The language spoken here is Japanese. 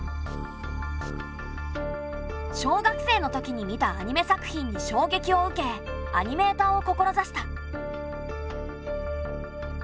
小学生のときに見たアニメ作品にしょうげきを受けアニメーターを志した。